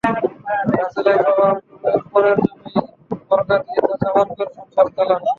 রাসেলের বাবা আবদুর রহিম পরের জমি বর্গা নিয়ে চাষাবাদ করে সংসার চালান।